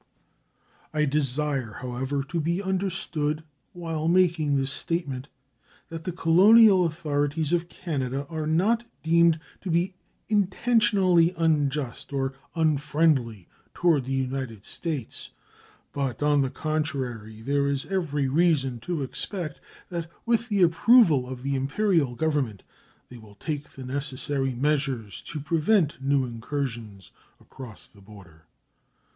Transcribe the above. I desire, however, to be understood while making this statement that the colonial authorities of Canada are not deemed to be intentionally unjust or unfriendly toward the United States, but, on the contrary, there is every reason to expect that, with the approval of the Imperial Government, they will take the necessary measures to prevent new incursions across the border.